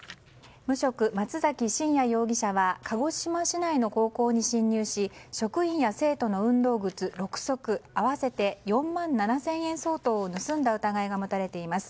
無職・松崎真也容疑者は鹿児島市内の高校に侵入し職員や生徒の運動靴６足合わせて４万７０００円相当を盗んだ疑いが持たれています。